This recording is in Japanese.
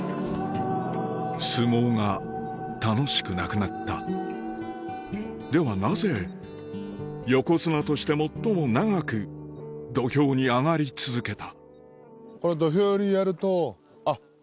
相撲が楽しくなくなったではなぜ横綱として最も長く土俵に上がり続けた？